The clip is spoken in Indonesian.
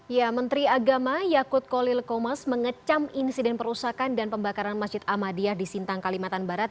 ya menteri agama yakut kolil komas mengecam insiden perusahaan dan pembakaran masjid ahmadiyah di sintang kalimantan barat